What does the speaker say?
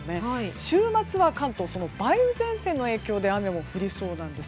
週末は関東その梅雨前線の影響で雨も降りそうなんです。